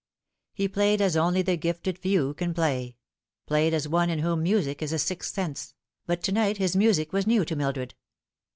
He played as only the gifted few can play played as one in whom music is a sixth sense, but to night his music was new to Mildred.